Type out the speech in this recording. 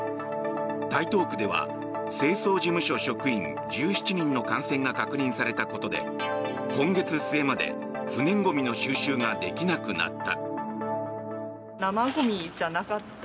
台東区では清掃事務所職員１７人の感染が確認されたことで今月末まで不燃ゴミの収集ができなくなった。